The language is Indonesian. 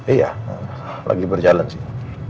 iya lagi berjalan sih